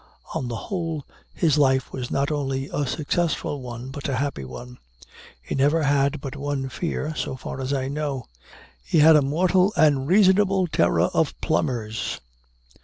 On the whole, his life was not only a successful one, but a happy one. He never had but one fear, so far as I know: he had a mortal and a reasonable terror of plumbers.